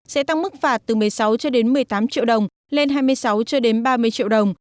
sẽ tăng mức phạt từ một mươi sáu một mươi tám triệu đồng lên hai mươi sáu ba mươi triệu đồng